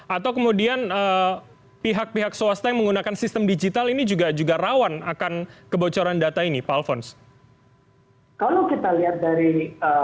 atau kemudian pihak pihak swasta yang menggunakan sistem digital ini juga rawan akan kebocoran data ini pak alphonse